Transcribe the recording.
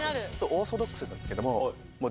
オーソドックスなんですけども。